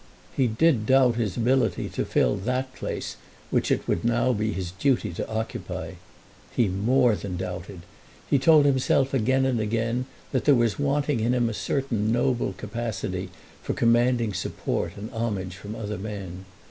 He did doubt his ability to fill that place which it would now be his duty to occupy. He more than doubted. He told himself again and again that there was wanting to him a certain noble capacity for commanding support and homage from other men.